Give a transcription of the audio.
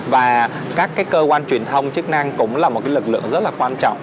và các cái cơ quan truyền thông chức năng cũng là một cái lực lượng rất là quan trọng